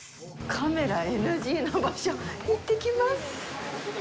カメラＮＧの場所、行ってきます。